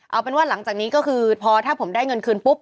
เอาเป็นว่าหลังจากนี้ก็คือพอถ้าผมได้เงินคืนปุ๊บ